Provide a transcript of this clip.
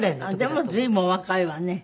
でも随分お若いわね。